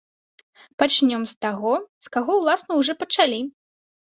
Пачнём з таго, з каго, уласна, ужо пачалі.